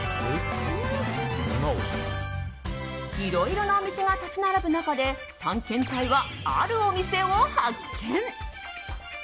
いろいろなお店が立ち並ぶ中で探検隊は、あるお店を発見。